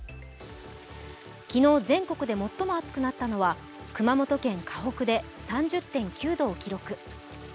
昨日、全国で最も暑くなったのは、熊本県・鹿北で３０．９度を記録。